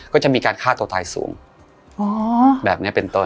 ก็จะมีการฆ่าตัวตายสูงแบบนี้เป็นต้น